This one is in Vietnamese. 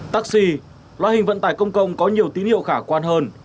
taxi loại hình vận tải công cộng có nhiều tín hiệu khả quan hơn